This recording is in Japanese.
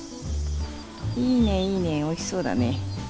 いいねいいねおいしそうだね。